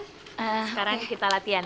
sekarang kita latihan